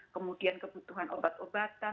kemudian kebutuhan obat obatan baik afegan dan lain lain